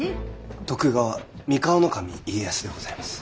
徳川三河守家康でございます。